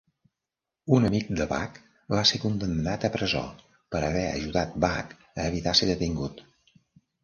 Un amic de Bach va ser condemnat a presó per haver ajudat Bach a evitar ser detingut.